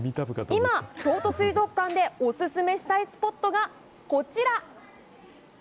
今、京都水族館でお勧めしたいスポットがこちら。